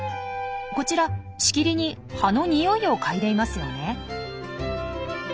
こちらしきりに葉の匂いを嗅いでいますよね。